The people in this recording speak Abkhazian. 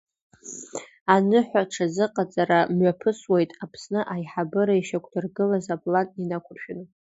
Аныҳәа аҽазыҟаҵара мҩаԥысуеит Аԥсны аиҳабыра ишьақәдыргылаз аплан инақәыршәаны.